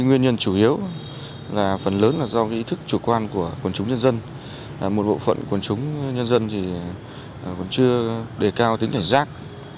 nguyên nhân chủ yếu là phần lớn là do ý thức chủ quan của quần chúng nhân dân một bộ phận quần chúng nhân dân vẫn chưa đề cao tính cảnh giác